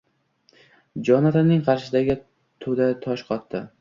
Jonatanning qarshisidagi To‘da tosh qotdi.